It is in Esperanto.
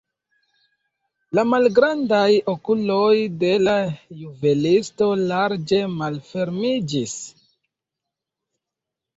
La malgrandaj okuloj de la juvelisto larĝe malfermiĝis.